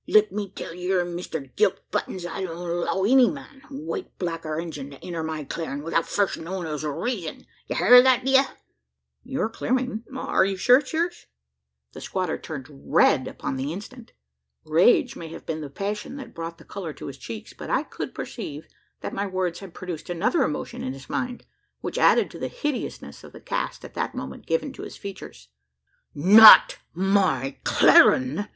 Let me tell yer, Mister Gilt Buttons, I don't 'low any man white, black, or Injun to enter my clarin' 'ithout fust knowin' his reezun. Ye hear that, d'ye?" "Your clearing! Are you sure it is yours?" The squatter turned red upon the instant. Rage may have been the passion that brought the colour to his cheeks; but I could perceive that my words had produced another emotion in his mind, which added to the hideousness of the cast at that moment given to his features. "Not my clarin'!"